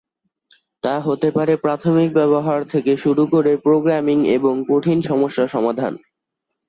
তা হতে পারে প্রাথমিক ব্যবহার থেকে শুরু করে প্রোগ্রামিং এবং কঠিন সমস্যা সমাধান।